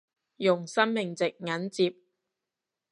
用生命值硬接